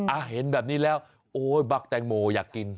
อ่ะเห็นแบบนี้แล้วโอ๊ยบั๊กแตงโมอยากกิน